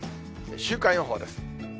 週間予報です。